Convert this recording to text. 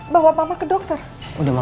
paham dulu ma